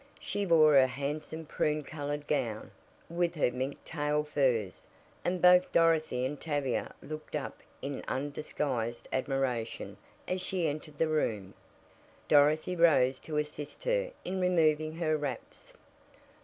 She wore her handsome prune colored gown, with her mink tail furs, and both Dorothy and Tavia looked up in undisguised admiration as she entered the room. Dorothy rose to assist her in removing her wraps.